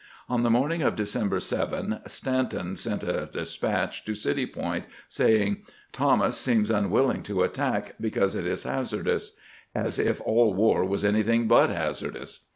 On the morning of December 7 Stanton sent a despatch to City Point, saying: "... Thomas seems unwilling to attack, because it is hazardous — as if all war was anything but hazard ous.